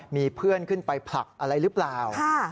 มีเพื่อนขึ้นไปผลักอะไรหรือเปล่า